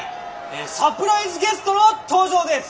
サプライズゲストの登場です！